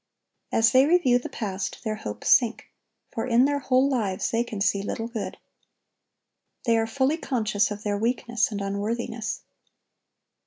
As they review the past, their hopes sink; for in their whole lives they can see little good. They are fully conscious of their weakness and unworthiness.